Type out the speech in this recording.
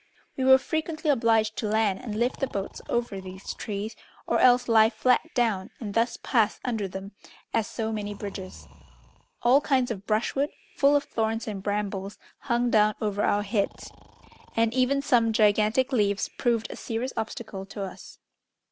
We were frequently obliged to land and lift the boats over these trees, or else lie flat down, and thus pass under them as so many bridges. All kinds of brushwood, full of thorns and brambles, hung down over our heads, and even some gigantic leaves proved a serious obstacle to us.